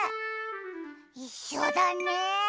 いっしょだね。